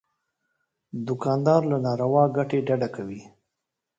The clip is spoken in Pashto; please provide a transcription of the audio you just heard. دوکاندار له ناروا ګټې ډډه کوي.